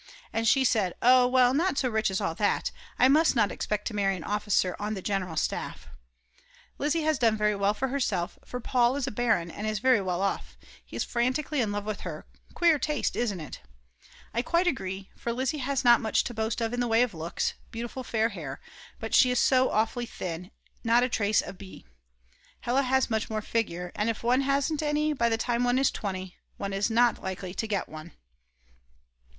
And she said: "Oh well, not so rich as all that; I must not expect to marry an officer on the general staff. Lizzi has done very well for herself for Paul is a baron and is very well off. He is frantically in love with her; queer taste, isn't it?" I quite agree, for Lizzi has not much to boast of in the way of looks, beautiful fair hair, but she is so awfully thin, not a trace of b , Hella has much more figure. And if one hasn't any by the time one is 20 one is not likely to get one.